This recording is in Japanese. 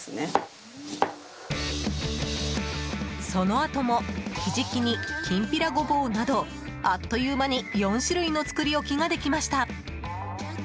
そのあとも、ひじき煮きんぴらごぼうなどあっという間に４種類の作り置きができました。